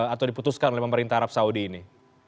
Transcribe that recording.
atau diputuskan oleh pemerintah arab saudi ini